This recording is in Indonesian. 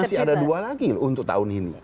masih ada dua lagi loh untuk tahun ini